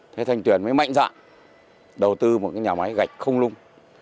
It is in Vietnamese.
thế thanh tuyền mới mạnh dạng đầu tư một nhà máy gạch không nung